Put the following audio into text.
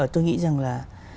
tôi nghĩ rằng là